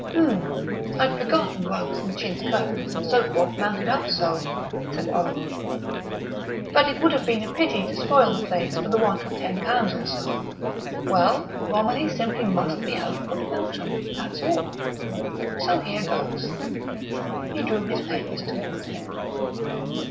"Hm! I'd forgotten rugs and chintz curtains and so forth mounted up so," said Oleron. "But it would have been a pity to spoil the place for the want of ten pounds or so.... Well, Romilly simply must be out for the autumn, that's all. So here goes " He drew his papers towards him.